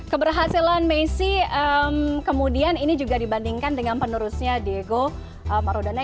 keberhasilan messi kemudian ini juga dibandingkan dengan penerusnya diego marudana